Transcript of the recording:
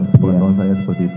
seorang orang saya seperti itu